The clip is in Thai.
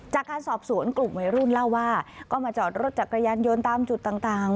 จากการสอบสวนกลุ่มวัยรุ่นเล่าว่าก็มาจอดรถจักรยานยนต์ตามจุดต่าง